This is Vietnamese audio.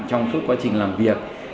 trong suốt quá trình làm việc